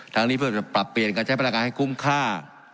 ทางนี้เพื่อจะปรับเปลี่ยนการใช้พลังงานให้คุ้มค่า